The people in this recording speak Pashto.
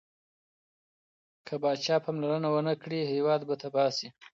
که پاچا پاملرنه ونه کړي، هیواد به تباه سي.